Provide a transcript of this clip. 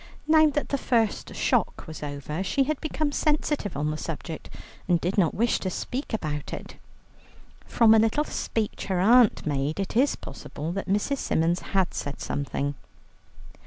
Now that the first shock was over, she had become sensitive on the subject, and did not wish to speak about it. From a little speech her aunt made, it is possible that Mrs. Symons had said something.